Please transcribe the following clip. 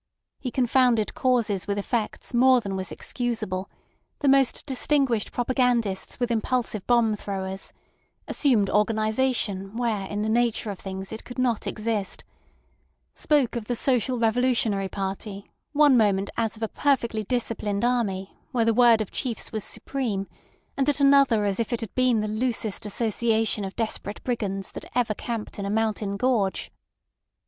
He confounded causes with effects more than was excusable; the most distinguished propagandists with impulsive bomb throwers; assumed organisation where in the nature of things it could not exist; spoke of the social revolutionary party one moment as of a perfectly disciplined army, where the word of chiefs was supreme, and at another as if it had been the loosest association of desperate brigands that ever camped in a mountain gorge.